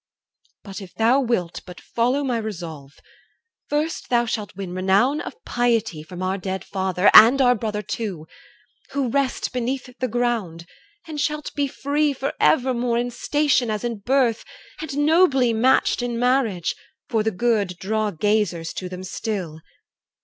But if thou wilt but follow my resolve, First thou shalt win renown of piety From our dead father, and our brother too, Who rest beneath the ground, and shalt be free For evermore in station as in birth, And nobly matched in marriage, for the good Draw gazers to them still.